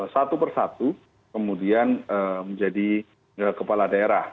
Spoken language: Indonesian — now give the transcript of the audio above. satu persatu kemudian menjadi kepala daerah